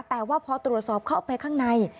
แต่ว่าพอตรวจสอบเข้าไปข้างใน